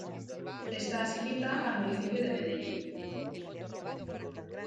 Está adscrita al Municipio de Medellín.